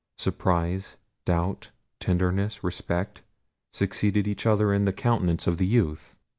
Surprise, doubt, tenderness, respect, succeeded each other in the countenance of the youth.